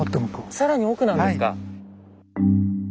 更に奥なんですか。